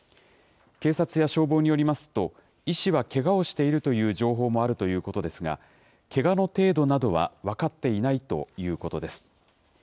警察や消防によりますと、医師はけがをしているという情報もあるということですが、けがの程度などは、分かっていないということです。